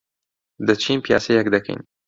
دەچین پیاسەیەک دەکەین.